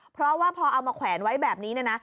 เพราะว่าพอเอามาแขวนไว้แบบนี้เนี่ยนะ